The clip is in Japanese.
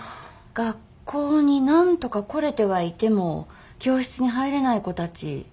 学校になんとか来れてはいても教室に入れない子たち。